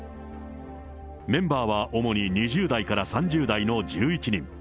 メンバーは主に２０代から３０代の１１人。